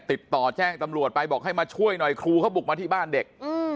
ติดต่อแจ้งตำรวจไปบอกให้มาช่วยหน่อยครูเขาบุกมาที่บ้านเด็ก